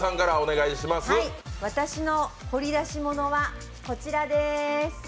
私の掘り出し物はこちらです。